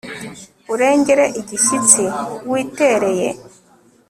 urengere igishyitsi witereye